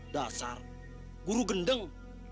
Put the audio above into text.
dasar guru gendeng